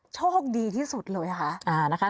โชคดีที่สุดเลยค่ะนะคะ